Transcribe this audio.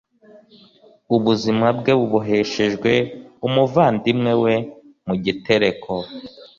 ubuzima bwe buboheshejwe umuvandimwe we mu gitereko